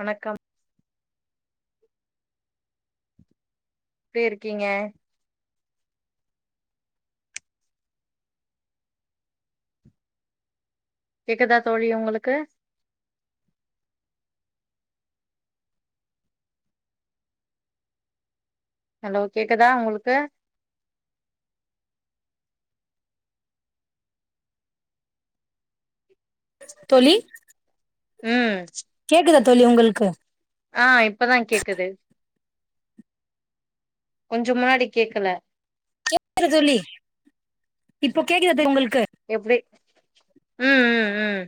வணக்கம் எப்படி இருக்கீங்க கேக்குதா தோழி உங்களுக்கு ஹலோ கேக்குதா உங்களுக்கு தோழி ம் கேக்குதா தோழி உங்கள்க்கு ஆ இப்பதா கேக்குது கொஞ்ச முன்னாடி கேக்கல கேக்குத தோழி இப்போ கேக்குதா [inaudible] உங்கள்க்கு எப்படி ம் ம் ம்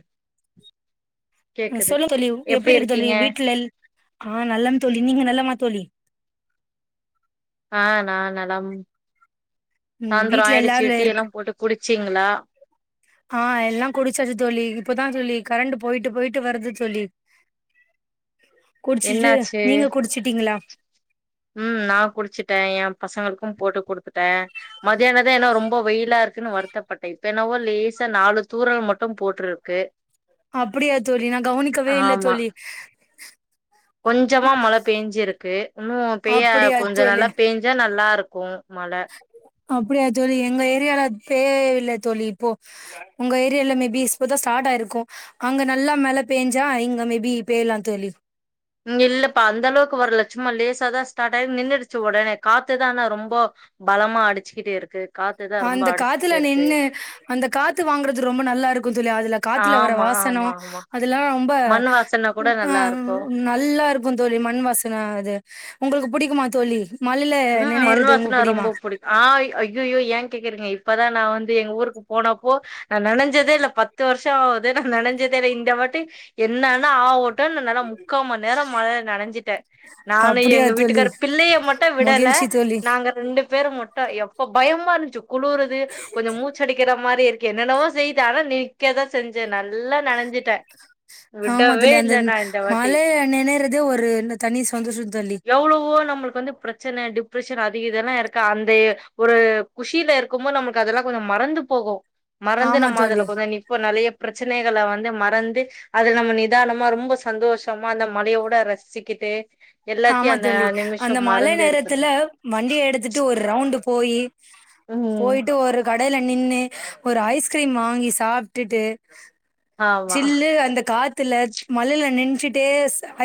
கேக்குது சொல்லு தோழி எப்படி எப்டி இருக்கு தோழி இருக்கீங்க வீட்டுல எல் ஆ நல்லன் தோழி நீங்க நல்லமா தோழி ஆ நா நல்லம் ம் சாந்தரோ வீட்ல ஆய்டுச்சு எல்லாரு டி இருக்கு எல்லாம் போட்டு குடிச்சீங்களா ஆ எல்லா குடிச்சாச்சு தோழி இப்பதா தோழி கரண்டு போயிட்டு போயிட்டு வருது தோழி குடிச்சிட்டு என்னாச்சு நீங்க குடிச்சிட்டீங்களா ம் நா குடிச்சுட்டே எ பசங்களுக்கும் போட்டு குடுத்துட்டே மதியானதே என்ன ரொம்ப வெயிலா இருக்குன்னு வருத்தப்பட்டே இப்ப என்னவோ லேசா நாலு தூரல் மட்டு போட்டிரு கே அப்படியா தோழி நா கவனிக்கவே இல்ல ஆமா தோழி கொஞ்சமா மழ பேஞ்சிருக்கு இன்னு பெய்ய அப்டியா கொஞ்ச தோழி நல்லா பேஞ் சா நல்லா இருக்கு மழ அப்படியா தோழி எங்க ஏரியால பே இல்ல தோழி இப்போ உங்க ஏரியால மேபி இப்பதா ஸ்டார்ட் ஆயிருக்கு அங்க நல்லா மழ பேஞ்சா இங்க மேபி பேயலா தோழி ம் இல்லப்பா அந்தளவுக்கு வரல சும்மா லேசா தா ஸ்டார்ட் ஆய் நின்னுருச்சு உடனே காத்துதா ஆன்னா ரொம்போ பலமா அடிச்சுக்கிட்டே இருக்கு காத்துதா ஆ ரொம்ப அந்த காத்துல்ல அடிச்சுக்கிட்டே இருக்கு நின்னு அந்த காத்து வாங்கறது ரொம்ப நல்லா இருக்கு தோழி அதுல காத்துல வர ஆமா வாசனோ ஆமா ஆமா அதல்லா ரொம்ப மண் வாசன கூட நல்லா இருக்கு நல்லா இருக்கு தோழி மண் வாசன அது உங்களுக்கு புடிக்குமா தோழி மழில ம் மண் நினையிறது உங்க வாசன ரொம்ப புடியுமா புடிக்கு ஆ ஐ அய்யயோ ஏ கேக்குறீங்க இப்பதா நா வந்து எங்க ஊருக்கு போனப்போ நா நனஞ்சதே இல்ல பத்து வருஷோ ஆது நா நனஞ்சதே இல்ல இந்த வாட்டி என்னன்னா ஆவு ட நா நலா முக்காம் மண் நேரம் மழைல் நனஞ்சட்டே நானு அப்படியா எங்க தோழி? வீட்டுக்காரு பிள்ளைய ம விடல மகிழ்ச்சி தோழி. நாங்க ரெண்டு பேரு மட்டு எப்போ பயமா இருந்ச்சு குளுறுது கொஞ்சம் மூச்சடிக்கிற மாரி இருக்கு என்னென்னவோ செய்து ஆனா நி க்கேதா செஞ்சே நல்லா நனைஞ்சுட்டே ஆம்மா தோழி அந்த வாட்டி மழை நினைறதே ஒரு ந்த தனி சந்தோஷொ தோழி எவ்வளவோ நம்மளுக் வந்துப் பிரச்சன டிப்ரஷன் அதிக இதெல்லா இருக் அந்த ஒரு குஷியில இருக்குபோ நமக்கு அதெல்லா கொஞ்சொ மறந்துப் போகுமறந்து ஆமா நம்ம தோழி. அதுல கொஞ்ச நிப்பொ இப்போ நறைய பிரச்சனைகள வந்து மறந்து அது நம்ம நிதானமா ரொம்ப சந்தோஷமா அந்த மலையோட ரசிச்சிக்கிட்டு எல்லாத்தியு அந்த நிமிஷொ மறந்துஇருக் இதுல வண்டிய எடுத்துட்டு ஒரு ரவுண்ட் போயி ம் போயிட்டு ஒரு கடைல நின்னு ஒரு ஐஸ்கிரீம் வாங்கி சாப்ட்டுட்டு ஆமா ஜில்லு அந்த காத்துல மழைல நென்ச்சுட்டே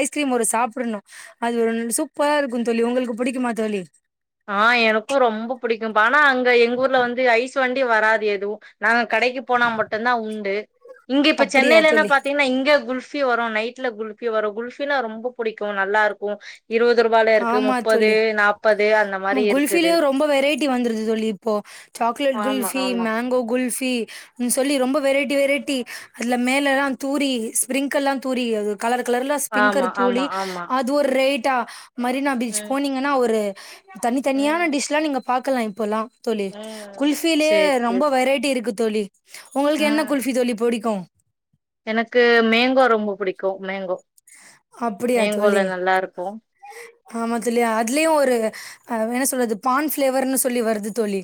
ஐஸ்கிரீம் ஒரு சாப்பிடணு அது ஒன் சூப்பரா இருக்கு தோழி உங்கள்க்கு புடிக்குமா தோழி ஆ எனக்கு ரொம்ப புடிக்கும்ப்பா ஆனா அங்க எங்க ஊர்ல வந்து ஐஸ்வண்டி வராது எதுவு நாங் கடைக்கு போனா மட்டுந்தா உண்டு இங்க இப்ப அப்படியா சென்னையிலன்ன தோழி பாத்தீங்கன்னா இங்க குல்ஃபி ஃபி வரு நைட்ல குல்ஃபி வரு குல்ஃபினா ரொம்ப புடிக்கு நல்லாருக்கு இருவது ரூபால இருக்கு முப்பது நாப்ப ம் குல்ஃபிலியு ரொம்ப வெரைட்டி வந்துருது தோழி இப்போ சாக்லே்ட் ஆமா குல்ஃபி ஆமா மேங்கோ குல்ஃபி ம் சொல்லி ரொம்ப வெரைட்டி வெரைட்டி அதுல மேலல்லா தூரி ஸ்பிரிங்கள்ல்லா தூரி அது கலர் கலர்ல ஸ்பிங்கர் ஆமா தூலி ஆமா ஆமா அது ஒரு ரேய்ட்டா மரினாபீச் ம் போனீங்க நா ஒரு ம் தனித்தனியான டிஷ்லா நீங்க பாக்கலா இப்போல்லா தோழி ம் குல்ஃபிலே சேரி ரொம்ப சேரி வெரைட்டி இருக்கு தோழி உங்கள்க்கு என்ன ம் குல்ஃபி தோழி புடிக்கூ எனக்கு மேங்கோ ரொம்ப புடிக்கு மேங்கோ மேங்கோல்ல நல்லாருக்கு ஆம்மா தோழி அதுலியு ஒரு அ என்ன சொல்றது பான் ஃபிளேவர்ன்னு சொல்லி வர்து தோழி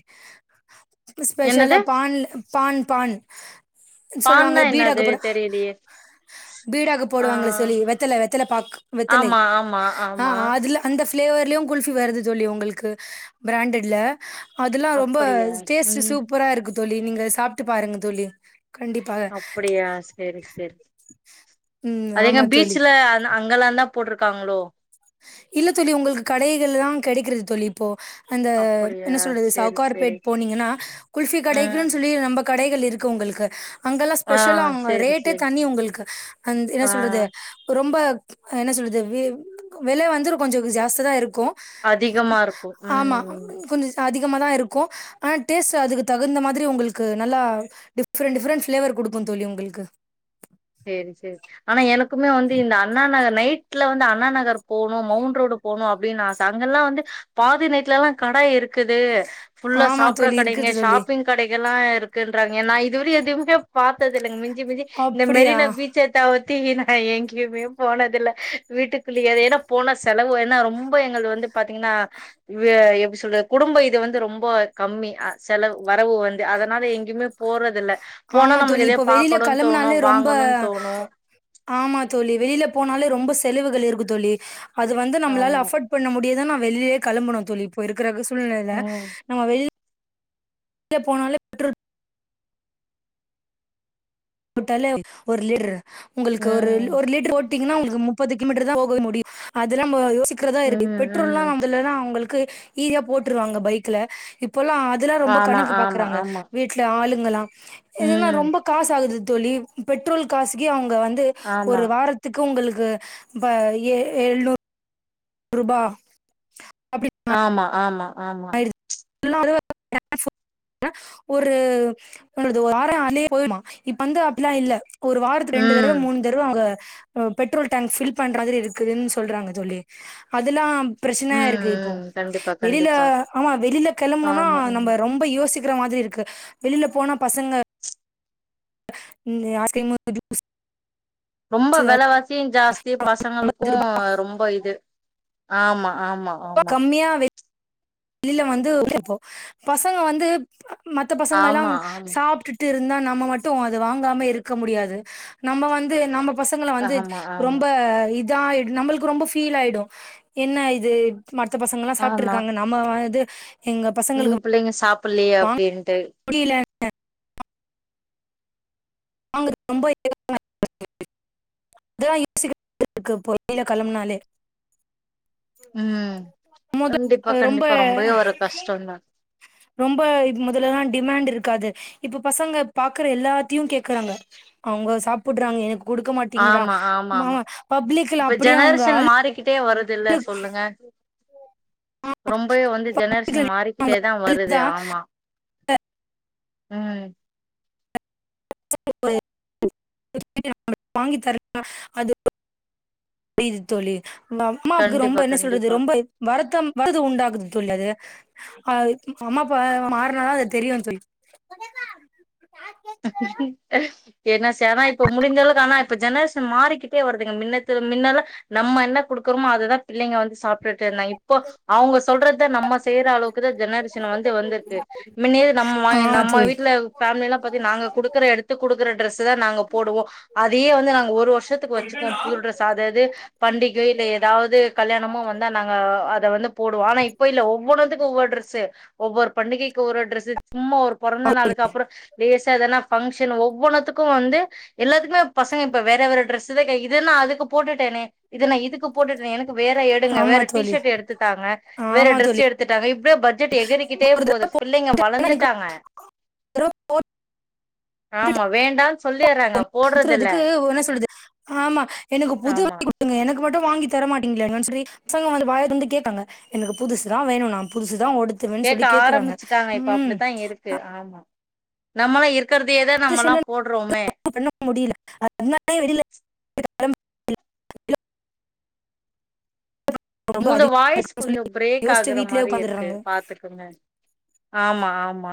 என்னது ஸ்பெஷல்லா பான்ல பான் பான் சொல்லுவாங்க பான்னா பீடாக்கு என்னது போட தெரியலையே பீடாக்கு ஆ போடுவாங்கள தோழி வெத் வெத்தல வெத்தல பாக்கு வெத்தலை ஆமா ஆமா ஆ ஆமா அதுல அந்த ஃப்ளேவர்லியு குல்ஃபி வருது தோழி உங்கள்க்கு பிராண்டட்ல்ல அதுல்லா ரொம்ப அப்படியா டேஸ்ட் ம் சூப்பரா இருக்கு தோழி நீங்க சாப்ட்டு பாருங்க தோழி கண்டிப்பாக அப்புடியா சேர் சேரி ம் அதுஎங்க ஆமா தோழி பீச்சுல நா அங்கல்லாதா போட்ருக்காங்களோ இல்ல தோழி உங்கள்க்கு கடைகள்லதா கடைக்கறது தோழி இப்போ அந்த அப்படியா என்ன சொல்றது சேரி சேரி சவுகார்பேட் போனீங்கன்னா குல்ஃபி ம் கடைக்குன்னு சொல்லி நம்ப கடைகள் இருக்கு உங்கள்க்கு அங்கல்லா ஆ ஸ்பெஷலா அங்க சேரி ரேட்டே சேரி தணி உங்களுக்கு அந் என்ன ஆ சொல்றது ரொம்ப என்ன சொல்றது வி விலை வந்து கொஞ்சொ ஜாஸ்தியாதா இருக்கு அதிகமா இருக்கு ஆம்மா ம் கொஞ்சொ அதிகமதா இருக்கூ ஆனா டேஸ்ட் அதுக்குதகுந்த மாதிரி உங்களுக்கு நல்லா டிஃப்ரெண்ட் டிஃப்ரெண்ட் ஃபிளேவர் குடுக்கு தோழி உங்குள்க்கு சேரி சேரி ஆனா எனக்குமே வந்து இந்த அண்ணா நகர் நைட்ல வந்து அண்ணா நகர் போணும் மௌன்ட்ரோடு போணு அப்டின்னு ஆச அங்கல்லா வந்து பாதி நைட்லஎல்லா கட இருக்குது ஃபுல்லா ஆமா சாப்புட்ற தோழி கடைங்க இருக்குது தோழி ஷாப்பிங் கடைகள்ல்லா இருக்குன்றாங்க நா இதுவரை எதுவுமே பாத்ததில்லிங் மிஞ்சி மிஞ்சி இந்த அப்டியா மெரினா பீச்ச தவுத்தி நா எங்கியுமே போனதில்ல வீட்டுக்குள்ளியே தா ஏன்னா போன செலவு ஏன்னா ரொம்ப எங்கள்து வந்து பாத்தீங்ன்னா அ எப்டி சொல்றது குடும்போ இது வந்து ரொம்போ கம்மி செலவு வரவு வந்து அதனால எங்கேயுமே போறதுல்ல போனா ஆமா நம்மளுக்கு தோழி. எதே இப்போ வெளில பாக்கணும்னு கெளம்புனாலே தோணும் ரொம்ப ஆமா தோழி வெளியில போனாலே ரொம்ப செலவுகள் இருக்கு தோழி அது வந்து நம்ளால ஆமா அஃபர்ட் பண்ண முடியாதனல நா வெளியிலயே கெளம்புனே தோழி இப்போ இருக்கிற சூழ்நிலைல ம் நம்ம வெளிய வெளிய போனாலே பெட்ரோல் போட்டாலே ஒரு லிட்ரு உங்களுக்கு ஒரு ம் ஒரு லிட்ர் ஓட் போட்டிங்கினா உங்களுக்கு முப்பது கிலோமீட்டர் தா போக முடியும் அதெல்லாம் யோசிக்கிறதா இருக்கு ம் பெட்ரோல் ம் நம் இல்லனா அவுங்களுக்கு ஈஸியா போட்டுருவாங்க பைக்ல இப்ல்லாம் இதெல்லாம் ரொம்ப ஆமா கணக்கு ஆமா பாக்குறாங்க ஆமா வீட் ல ஆளுங்கலாம் இதுன்னா ம் ரொம்ப காசு ஆகுது தோழி பெட்ரோல் காசுக்கே அவுங்க வந்து ஆமா ஒரு வாரத்துக்கு உங்களுக்கு ப ஏழுஏழுநூறு ரூபா ஆமா ஆமா ஆமா [unintelligible] ஒரு றது ஒரு வாரோம் ஆதுலேயே போய்ருமா இப்ப வந்து அப்லா இல்ல ஒரு வாரத்து ரெண்டு தடவ ம் மூணு தடவ அவுங்க பெட்ரோல் டேங்க் ஃபில் பண்ற மாரி இருக்குதுன் சொல்றாங்க தோழி அதுல்லாம் ம் பிரச்சனையா இருக்கு இப்போ ம் கண்டிப்பா வெளியில கண்டிப்பா ஆமா வெளியில கெளம்பணும்னா ஆமா ஆமா நம்ம ரொம்ப யோசிக்கிற மாதிரி இருக்கு வெளியில போனா பசங்க நீங்க யார்ட்டயும் உம் [unintelligible] ரொம்ப வெலவாசியும் ஜாஸ்தி முப்பது பசங்களுக்கும் ரொம்ப இது ஆமா ஆமா [unintelligible] ஆமா கம்மியா வே வெளில வந்து வப்போ பசங்க வந்து மத்த பசங்க எல்லா ஆமா ஆமா சாப்ட் த்து இருந்தா நம்ம மட்டும் அது வாங்காம இருக்க முடியாது நம்ம வந்து நம்ம பசங்கள வந்து ஆமா ஆமா ரொம்ப இதா ஆயிடும் நம்மளுக்கு ரொம்ப ஃபீல் ஆயிடும் என்ன இது மத்த பசங்க எல்லாம் சாப்ட்டு ஆமா இருக்காங்க நம்ம இது எங்க பசங்களுக்கு ம் பிள்ளைங்க சாப்டலயே அப்டின்ட்டு புரியல அவங்களுக்கு ரொம்ப [unintelligible] இதல்லாம் யோசிக்க [unintelligible] இருக்கு இப்ப வெளில கெளம்புனாலே ம் மொத கண்டிப்பா ரொம்ப கண்டிப்பா ரொம்பவே ஒரு கஷ்டந்தா ரொம்ப முதலலா டிமாண்ட் இருக்காது இப்ப பசங்க பாக்கற எல்லாத்தையு கேக் க்குறாங்க அவுங்க சாப்புறாங்க எனக் குடுக்க மாட்டேங்கிறா ஆமா ஆமா மா ஆமா பப்ளிகல அப்டியே அவுங்க அல் கிட்டே வருதுல்ல சொல்லுங்க ரொம்பவே வந்து ஜெனரேஷன் பப்ளிக்ல மாறிக்கிட்டே தா வருது அழுதா ஆமா உம் [unintelligible] வாங்கி தர அது புரியிது தோழி மேம் அம்மாவுக்கு ரொம்ப கண்டிப்பா என்ன சொல்றது கண்டிப்பா ரொம்ப வருத்தம் வருத்தத உண்டாக்குது தோழி அது அ அம்மாப்ப மாறுனா தா அது தெரியும் தோழி என்ன சேனா இப்ப முடிஞ்ச அளவுக்கு ஆனா இப்ப ஜெனரேஷன் மாறிக்கிட்டே வருதுங்க மின்னது மின்னல்லா நம்ம என்ன குடுக்கறோமோ அததா பிள்ளைங்க வந்து சாப்ட்டுட்டு இருந்தாங்க இப்போ அவுங்க சொல்றத நம்ம செய்ற அளவுக்கு தா ஜெனரேஷன் வந்து வந்திருக்கு முன்னே நம்ம ஆ நம்ம தோழி வீட்ல ஃபேமில எல்லா பத்தி நாங்க குடுக்கற எடுத்து குடுக்கற ட்ரெஸ் தா நாங்க போடுவோ அதயே வந்து நாங்க ஒரு வருஷத் துக்கு வச்சுக்குவோம் புது ட்ரெஸ் அது அது பண்டிகை இல்ல ஏதாவது கல்யாணமு வந்தா நாங்க அத வந்து போடுவோ ஆனா இப்போ இல்ல ஒவ்வொன்னு வந்து ஒவ்வொரு டிரெஸ்ஸு ஒவ்வொரு பண்டிகைக்கு ஒரு டிரெஸ்ஸு சும்மா ஒரு பொறந்த நாளுக்கு அப்புற லேசா தான ஃபங்க்ஷன் ஒவ்வொன்னுத்துக்கு வந்து எல்லாத்துக்குமே பசங்க இப்ப வேற வேற டிரெஸ்ஸு தா இதுன்ன அதுக்கு போட்டுட்டேன்னே இது நா இதுக்கு போட்டுட்டேனே எனக்கு வேற ஆ தோழி எடுங்க ஆமா வேற டி தோழி ஷர்ட் எடுத்து தாங்க வேற ஆமா ட்ரெஸ் தோழி எடுத் து தாங்க இப்டியே பட்ஜெட் எகிரிக்கிட்டே ஒரு போகுது தடவ பிள்ளைங்க வளந்துட்டாங்க ரோ போ ஆமா வேண்டான்னு [inaudible] சொல்லிறாங்க போடுறதில்ல பாக்குறதுக்கு என்ன சொல்லுது ஆமா எனக்கு புது ஆமா குடுங்க எனக்கு மட்டு வாங்கி தரமாட்டிங்கங்களாங்கன் சொல்லி பசங்க வந்து வாய தொறந்து கேப்பாங்க எனக்கு புதுசுதா வேணு நா புதுசுதா ஒடுத்துவேன்னு சொல்லி கேக்குறாங்க ம் இங்கு ஆமா நம்மள்லா இருக்கறதையே தா நம்மள்லா போட்றோமே முட்டு பண்ண முடியல அதனாலே வெளில [inaudible] ரொம்ப உங்களோட அதிகமா வாய்ஸ் இருக்குன்னு சொல்லி கொஞ்சோ பிரேக் யோசிச்சு ஆகுற வீட்லயே மாரி இருக்கு உக்காந்துடுறாங்க பாத்து க்குங்க ஆமா ஆமா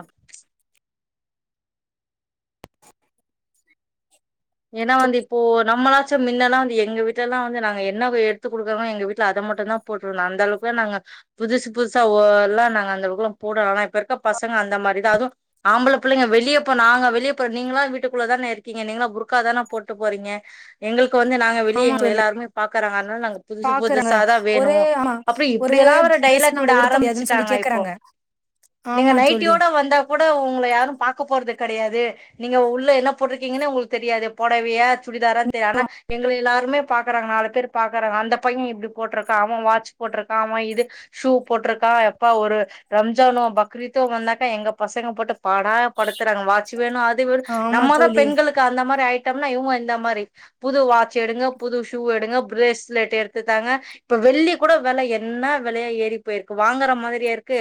ஏனா வந்து இப்போ நம்மளா ச்சே மின்னெல்லா வந்து எங்க வீட்டுலல்லா வந்து நாங்க என்ன வ எடுத்து குடுக்கறாங்களோ எங்க வீட்ல அத மட்டுந்தா போட்டுருந்தோ அந்தளவுக்கு தா நாங்க புதுசு புதுசா ஓ எல்லா நாங்க அந்த அளவுக்கெல்லா போடல ஆனா இப்ப இருக்க பசங்க அந்த மாரிதா அதுவு ஆம்புள புள்ளைங்க வெளிய போ நாங்க வெளிய போறோ நீங்கள்லா வீட்டுக்குள்ள தான இருக்கீங்க நீங்களா புர்க் கா தான போட்டு போறீங்க எங்களுக்கு வந்து நாங்க வெளிய ஆமா எங்கள தோழி எல்லாருமே பாக்குறாங்க அதனால நாங்க புதுசு பாக்குறாங்க புதுசா தா வேணு ஒரே ஆமா அப்புறோ ஒரே இப்டியெல்லா வேற ட்ரெஸ் டைலாக் விட நாங்க உடுத்த முடியாதுன்னு சொல்லி ஆரம்பிச்சிட்டாங்க இப்போ கேக்குறாங்க நீங்க ஆமா தோழி நைட்டியோட வந்தா கூட உங்கள யாரு பாக்கப் போறது கெடையாது நீங்க உள்ள என்ன போட்டிருக்கீங்கன்னே உங்களுக் தெரியாது பொடவையா சுடிதாரான் தெ ஆனா எங்கள எல்லாருமே பாக்கறாங்க நாலு பேர் பாக்கறாங்க அந்த பையே இப்டி போட்ருக்கா அவே வாட்ச் போட்ருக்கா அவெ இது ஷூ போட்ருக்கா எப்பா ஒரு ரம்ஜானோ பக்ரீத்தோ வந்தாக்கா எங்க பசங்க போட்டு பாடா படுத்துறாங்க வாச்சி வேணு அத் து வேணு ஆமா நம்மதா தோழி பெண்களுக்கு அந்த மாரி ஆய்ட்டோம்னா இவுங்க இந்த மாரி புது வாட்ச் எடுங்க புது ஷூ எடுங்க பிரேஸ்லெட் எடுத்து தாங்க இப்ப வெள்ளி கூட வெல என்ன வெலையா ஏறி போயிருக்கு வாங்கற மாரியா இருக்கு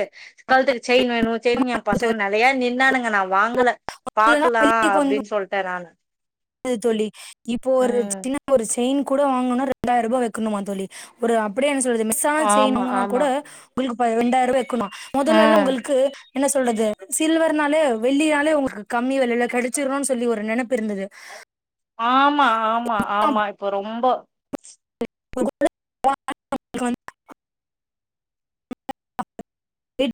கழுத்துக்கு செயின் வேணு செயின் ஏ பசங்க தோழி நெலையா நின்னானுங்க நா வாங்கல பாக்கலா அப்டின் சொல்ட்டே நானு க்காது தோழி இப்போ ஒரு ம் சின்ன ஒரு செயின் கூட வாங்கனுனா ரெண்டாயிரோ ரூபா வக்கணுமா தோழி ஒரு அப்படியே என்ன சொல்றது மிக்ஸான செயின் ஆமா வாங்குனா ஆமா கூட பில்க்கு ப ரெண்டாயிரூவா வக்கணு முதல்லெல்லா ம் உங்களுக்கு என்ன சொல்றது சில்வர்னாலே வெள்ளினாலே உங்களுக் கு கம்மி வெலைல கெடச்சிருன் சொல்லி ஒரு நெனப்பு இருந்தது ஆமா ஆமா அப்ப ஆமா இப்போ ரொம்ப [inaudible]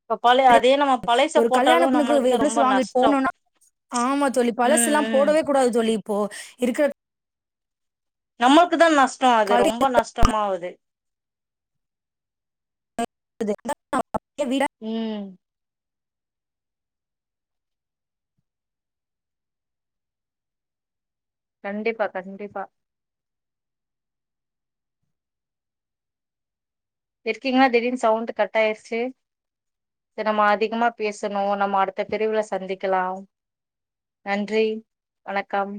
இப்ப பழைய அதே நம்ம பழைச ஒரு கல்யாண போட்டாலு பொண்ணுக்கு வெ நம்மளுக்குதா ரொம்ப கொலுசு வாங்கிட்டு நஷ்டோ போணுனா ஆமா தோழி ம் பழசுல்லா ம் போடவே கூடாது தோழி இப்போ இருக்கற நம்மளுக்கு தா நஷ்டோ அது ரொம்ப நஷ்டமாவுது [inaudible] வீடா ம் கண்டிப்பா கண்டிப்பா இருக்கீங்களா திடீர்னு சவுண்டு கட் ஆய்டிச்சி சேர் நம்ம அதிகமா பேசணு நம்ம அடுத்த பிரிவுல சந்திக்கலாம் நன்றி வணக்கம்